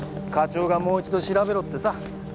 課長がもう一度調べろってさ。